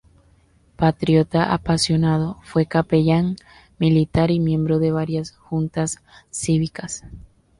Patriota apasionado, fue capellán militar y miembro de varias juntas cívicas.